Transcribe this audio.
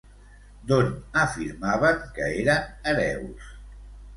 D'on afirmaven que eren hereus?